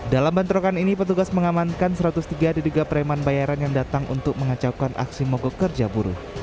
dalam bantuan ini petugas mengamankan satu ratus tiga deduga pereman bayaran yang datang untuk mengecawakan aksi mogok kerja buruh